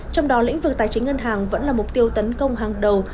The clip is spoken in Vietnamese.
trong đó lĩnh vực tài chính ngân hàng vẫn là mục tiêu tấn công hàng đầu